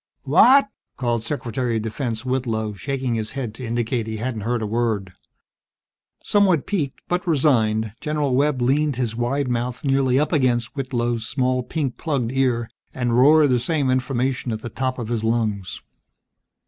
"What?" called Secretary of Defense Whitlow, shaking his head to indicate he hadn't heard a word. Somewhat piqued, but resigned, General Webb leaned his wide mouth nearly up against Whitlow's small pink plugged ear, and roared the same information at the top of his lungs.